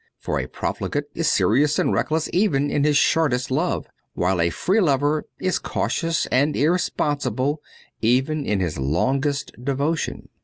For a profligate is serious and reckless even in his shortest love ; while a free lover is cautious and irresponsible even in his longest devotion.